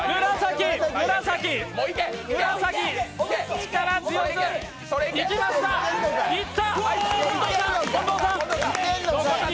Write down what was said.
力強くいきました、いった！